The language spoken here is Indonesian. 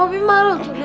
obi malu tuh